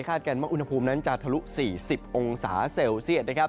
กันว่าอุณหภูมินั้นจะทะลุ๔๐องศาเซลเซียตนะครับ